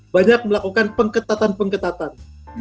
banyak melakukan pengketatan pengketatan